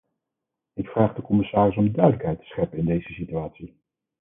Ik vraag de commissaris om duidelijkheid te scheppen in deze situatie.